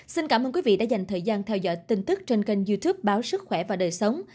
xin cảm ơn quý vị đã dành thời gian theo dõi tin tức trên kênh youtube báo sức khỏe và đời sống